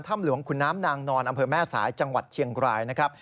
ถ้ำหลวงขุนน้ำนางนอนอำเภอแม่สายจังหวัดเชียงรายนะครับ